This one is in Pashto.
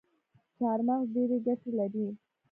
چارمغز ډیري ګټي لري